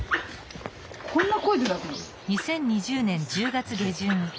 こんな声で鳴くの？